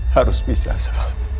harus bisa so